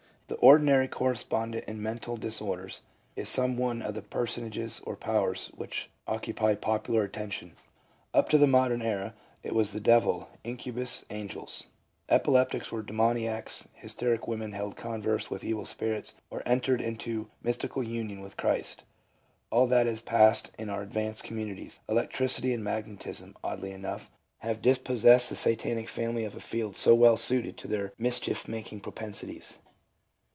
The ordinary correspondent in mental dis orders, is some one of the personages, or powers, which occupy popular attention. Up to the modern era it was the devil, incubus, angels. Epileptics were demoniacs; hysteric women held converse with evil spirits or entered into mystical union with Christ. All that is past in our advanced communities: electricity and magnetism, oddly enough, have dispossessed the satanic family of a field so well suited to their mischief making propensities.